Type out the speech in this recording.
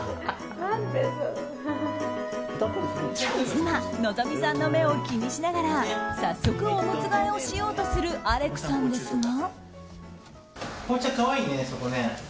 妻・希さんの目を気にしながら早速、おむつ替えをしようとするアレクさんですが。